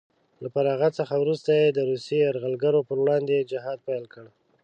له فراغت څخه وروسته یې د روسیې یرغلګرو په وړاندې جهاد پیل کړ